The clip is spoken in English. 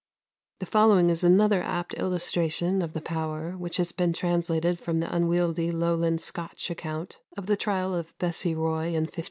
" The following is another apt illustration of the power, which has been translated from the unwieldy Lowland Scotch account of the trial of Bessie Roy in 1590.